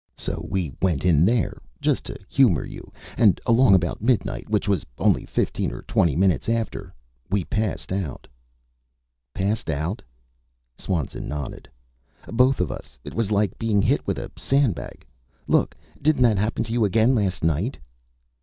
So we went in there just to humor you and along about midnight, which was only fifteen or twenty minutes after, we passed out." "Passed out?" Swanson nodded. "Both of us. It was like being hit with a sandbag. Look, didn't that happen to you again last night?"